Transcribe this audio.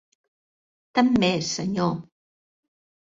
Tant m'és, senyor.